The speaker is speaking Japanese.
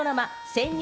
潜入